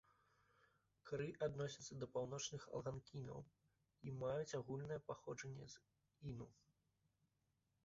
Кры адносяцца да паўночных алганкінаў і маюць агульнае паходжанне з іну.